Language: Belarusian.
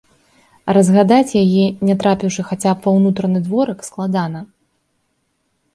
Разгадаць яе, не трапіўшы хаця б ва ўнутраны дворык, складана.